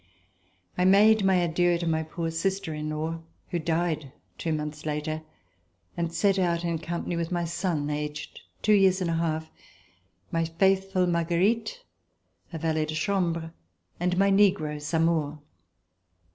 I made my adieux to my poor sister in law, who died two months later, and set out in company with my son, aged two years and a half, my faithful Marguerite, a valet de chambre and my negro, Zamore.